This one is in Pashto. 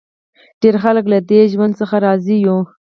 ډېری خلک له دې ژوند څخه راضي وو